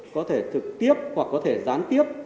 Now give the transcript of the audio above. có thể thực tiếp hoặc có thể gián tiếp